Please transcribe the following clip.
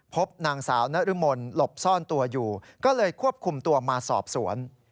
พบนางสาวนรมนหลบซ่อนตัวอยู่ก็เลยควบคุมตัวมาสอบสวน